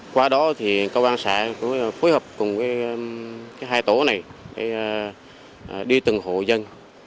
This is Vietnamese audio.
qua đó thì công an xã cũng phối hợp cùng với hai tổ này đi từng hộ dân